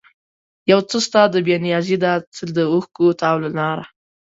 یو څه ستا د بې نیازي ده، څه د اوښکو تاو له ناره